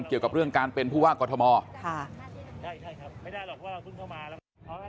เกี่ยวกับเรื่องการเป็นผู้ว่ากอทมค่ะใช่ครับไม่ได้หรอกว่าเพิ่งเข้ามาแล้ว